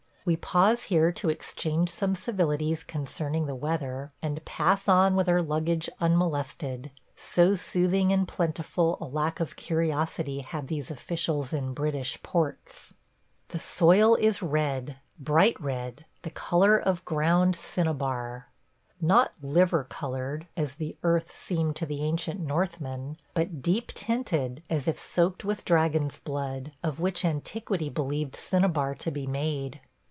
We pause here to exchange some civilities concerning the weather, and pass on with our luggage unmolested, so soothing and plentiful a lack of curiosity have these officials in British ports. ... The soil is red – bright red – the color of ground cinnabar. Not "liver colored," as the earth seemed to the ancient Northmen, but deep tinted as if soaked with dragon's blood, of which antiquity believed cinnabar to be made.